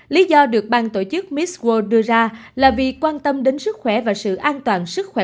lý do được bang tổ chức miso đưa ra là vì quan tâm đến sức khỏe và sự an toàn sức khỏe